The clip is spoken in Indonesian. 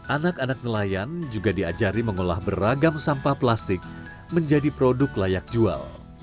anak anak nelayan juga diajari mengolah beragam sampah plastik menjadi produk layak jual